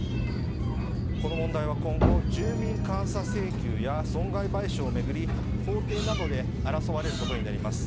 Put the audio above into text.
この問題は今後、住民監査請求や損害賠償を巡り法廷などで争われることになります。